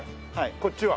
こっちは。